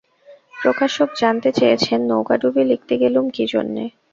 প্রকাশক জানতে চেয়েছেন নৌকাডুবি লিখতে গেলুম কী জন্যে।